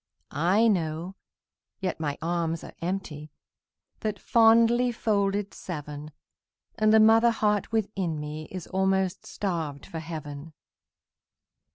I know, yet my arms are empty, That fondly folded seven, And the mother heart within me Is almost starved for heaven.